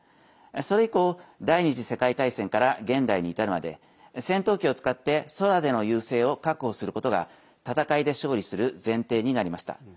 それ以降、第２次世界大戦から現代に至るまで戦闘機を使って空での優勢を確保することが戦いで勝利する前提になりました。